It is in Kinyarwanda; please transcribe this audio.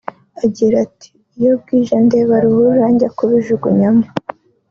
Agira ati “ Iyo bwije ndeba ruhurura njya kubijugunyamo